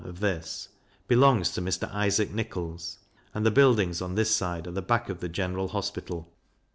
of this, belongs to Mr. Isaac Nichols; and the buildings on this side are the back of the General Hospital.